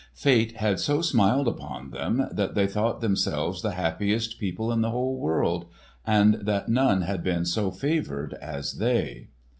Fate had so smiled upon them, that they thought themselves the happiest people in the whole world, and that none had been so favoured as they.